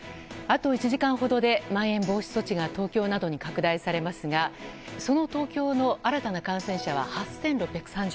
あと１時間ほどでまん延防止措置が東京などに拡大されますがその東京の新たな感染者は８６３８人。